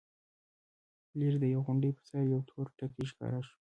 ليرې د يوې غونډۍ پر سر يو تور ټکی ښکاره شو.